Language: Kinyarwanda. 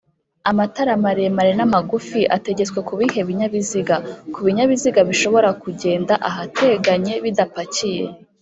amatara maremare n’amagufi ategetswe kubihe binyabiziga?kubinyabiziga bishobora kugenda ahateganye bidapakiye